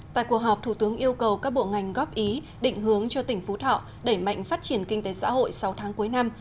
tại cuộc họp thủ tướng yêu cầu các bộ ngành góp ý định hướng cho tỉnh phú thọ đẩy mạnh phát triển kinh tế xã hội sáu tháng cuối năm